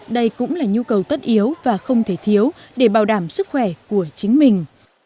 đây cũng là nhu cầu tất yếu và không thể thiếu để bảo đảm sức khỏe của chính mình